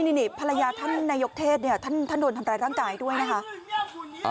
นี่ภรรยาท่านนายกเทศเนี่ยท่านโดนทำร้ายร่างกายด้วยนะคะ